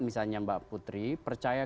misalnya mbak putri percaya